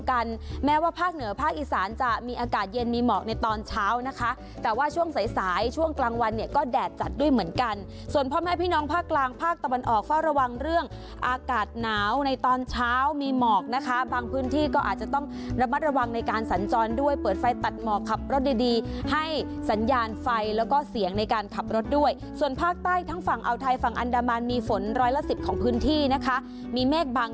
อากาศอีสานจะมีอากาศเย็นมีหมอกในตอนเช้านะคะแต่ว่าช่วงสายสายช่วงกลางวันเนี่ยก็แดดจัดด้วยเหมือนกันส่วนพร้อมให้พี่น้องภาคกลางภาคตะวันออกเฝ้าระวังเรื่องอากาศหนาวในตอนเช้ามีหมอกนะคะบางพื้นที่ก็อาจจะต้องระมัดระวังในการสัญจรด้วยเปิดไฟตัดหมอกขับรถดีดีให้สัญญาณไฟแล้วก็เสียงใ